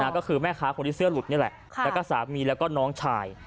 ก็คือแม่ค้าคนที่เสื้อหลุดนี่แหละแล้วก็สามีแล้วก็น้องชาย